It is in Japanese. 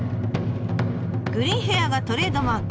グリーンヘアがトレードマーク。